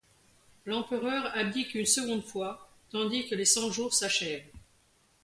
L'Empereur abdique une seconde fois tandis que les Cent-Jours s'achèvent.